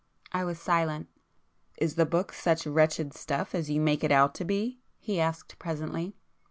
I was silent. "Is the book such wretched stuff as you make it out to be?" he asked presently.